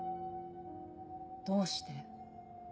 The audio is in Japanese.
どうして？